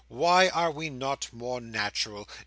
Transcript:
Why are we not more natural?